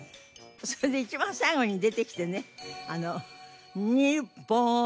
それで一番最後に出てきてね。